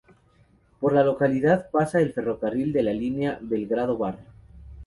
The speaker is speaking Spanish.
Por la localidad pasa el ferrocarril de la línea Belgrado-Bar.